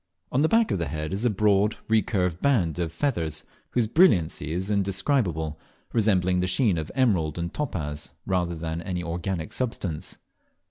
On the back of the head is a broad recurved band of feathers, whose brilliancy is indescribable, resembling the sheen of emerald and topaz rather than any organic substance.